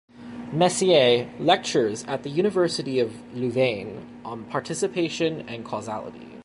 Mercier lectures at the University of Louvain on "Participation and Causality".